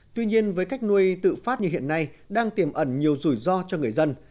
tuy nhiên với cách nuôi tự phát như hiện nay đang tiềm ẩn nhiều rủi ro cho người dân